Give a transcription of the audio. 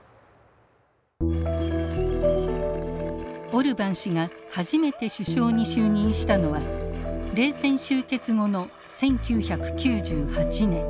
オルバン氏が初めて首相に就任したのは冷戦終結後の１９９８年。